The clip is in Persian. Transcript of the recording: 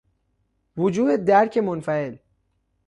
وجوه درک منفعل